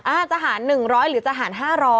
อาจจะหาร๑๐๐หรือจะหาร๕๐๐